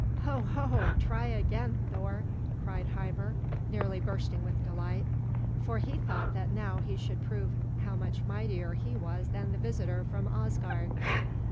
"Ho, ho! Try again, Thor!" cried Hymir, nearly bursting with delight; for he thought that now he should prove how much mightier he was than the visitor from Asgard.